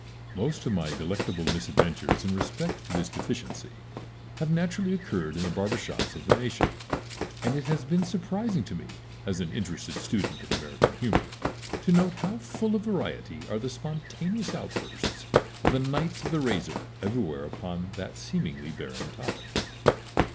Most of my delectable misadventures in respect to this deficiency have naturally occurred in the barber shops of the nation, and it has been surprising to me, as an interested student of American humor, to note how full of variety are the spontaneous outbursts of the Knights of the Razor everywhere upon that seemingly barren topic.